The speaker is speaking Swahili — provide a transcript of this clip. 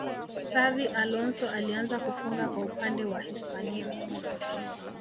xavi alonso alianza kufunga kwa upande wa hispania